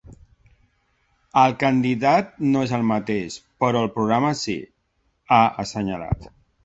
El candidat no és el mateix, però el programa sí, ha assenyalat.